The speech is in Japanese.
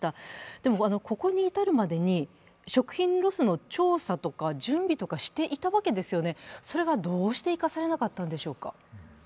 でも、ここに至るまでに、食品ロスの調査とか準備とかしていたわけですよね、それがどうして生かされなかったのでしょうか。